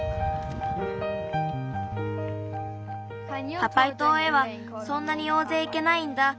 パパイとうへはそんなにおおぜいいけないんだ。